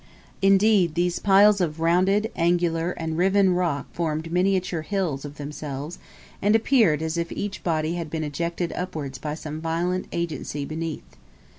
Indeed, these piles of rounded, angular, and riven rock formed miniature hills of themselves; and appeared as if each body had been ejected upwards by some violent agency beneath.